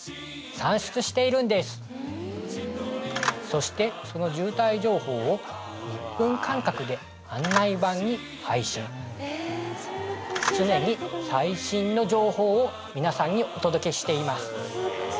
そしてその渋滞情報を１分間隔で案内板に配信常に最新の情報をみなさんにお届けしています